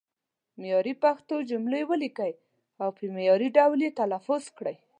معیاري پښتو جملې ولیکئ او په معیاري ډول یې تلفظ کړئ.